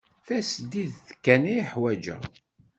Tasdidt kan ay ḥwajeɣ.